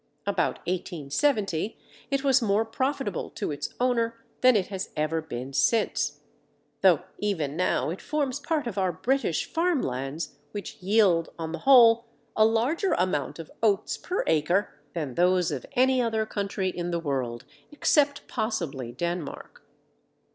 About 1870, it was more profitable to its owner than it has ever been since, though even now it forms part of our British farmlands which yield, on the whole, a larger amount of oats per acre than those of any other country in the world (except possibly Denmark).